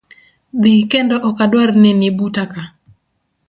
Dhi kendo okadwar neni buta ka.